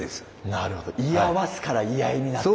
なるほど居合わすから居合になったと。